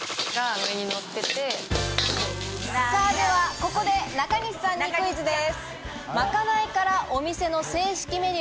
ここで中西さんにクイズです。